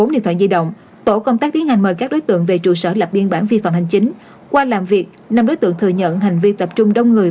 một mươi điện thoại di động tổ công tác tiến hành mời các đối tượng về trụ sở lập biên bản vi phạm hành chính qua làm việc năm đối tượng thừa nhận hành vi tập trung đông người